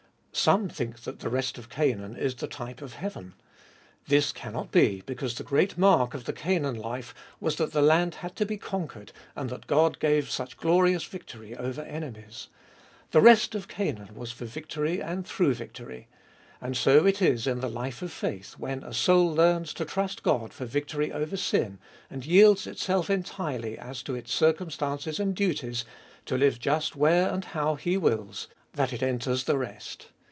Some think that the rest of Canaan is the type of heaven. This cannot be, because the great mark of the Canaan life was that the land had to be conquered and that God gave such glorious victory over enemies. The rest of Canaan was for victory and through victory. And so it is in the life of faith, when a soul learns to trust God for victory over sin, and yields itself entirely, as to its circumstances and duties, to live just where and how He wills, that it enters the rest.